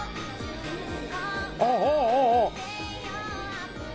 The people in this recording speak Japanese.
ああああ！